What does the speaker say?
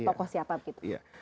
tokoh siapa gitu